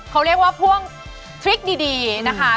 เขาเรียกว่าพ่วงทริคดีนะคะ